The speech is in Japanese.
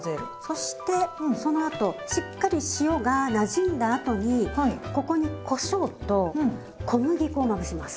そしてそのあとしっかり塩がなじんだあとにここにこしょうと小麦粉をまぶします。